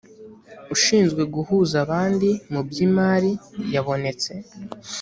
ushinzwe guhuza abandi mu by’imari yabonetse